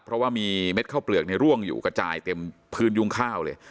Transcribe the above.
เพราะว่ามีเม็ดข้าวเปลือกในร่วงอยู่กระจายเต็มพื้นยุ่งข้าวเลย